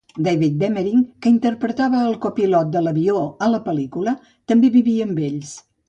David Demering, que interpretava el copilot de l'avió a la pel·lícula, també vivia amb ells.